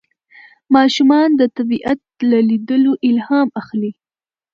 ماشومان د طبیعت له لیدلو الهام اخلي